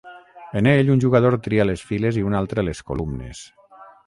En ell, un jugador tria les files i un altre les columnes.